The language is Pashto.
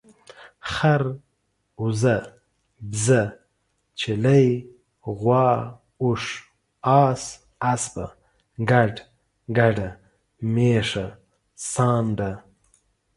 خر، اوزه، بيزه ، چيلۍ ، غوا، اوښ، اس، اسپه، ګډ، ګډه، ميښه، سانډه